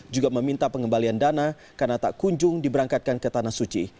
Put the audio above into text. juga meminta pengembalian dana karena tak kunjung diberangkatkan ke tanah suci